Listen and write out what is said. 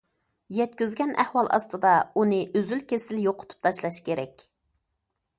يەتكۈزگەن ئەھۋال ئاستىدا، ئۇنى ئۈزۈل- كېسىل يوقىتىپ تاشلاش كېرەك.